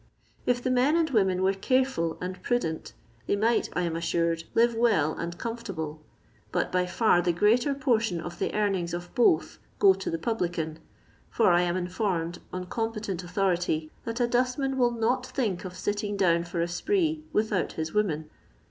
If the men and women were careful and prudent, they might, I am assured, live well and comfortable ; but by fer the greater portion of the earnings of both go to the publican, for I am inform^, on competent authority, that a dustman will not think of sitting down for a spree without his woman.